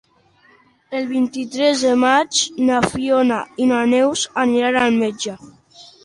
El vint-i-tres de maig na Fiona i na Neus aniran al metge.